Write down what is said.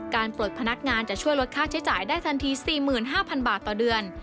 ปลดพนักงานจะช่วยลดค่าใช้จ่ายได้ทันที๔๕๐๐บาทต่อเดือน